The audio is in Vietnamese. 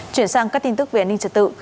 chuyển sang các tin tức về an ninh trật tự